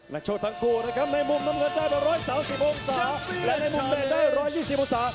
โชคทั้งคู่นะครับในมุมน้ำเงินได้๑๓๐องศาและในมุมแดงได้๑๒๐องศา